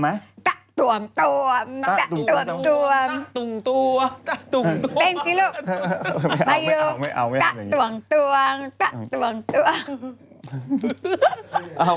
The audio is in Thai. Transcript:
กะตว๋มตองตะตว๋มตัว